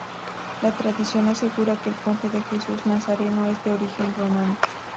La tradición asegura que el puente de Jesús Nazareno es de origen romano.